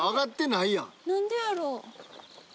何でやろう。